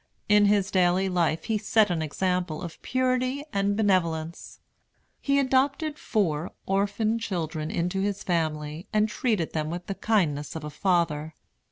In his daily life he set an example of purity and benevolence. He adopted four orphan children into his family, and treated them with the kindness of a father.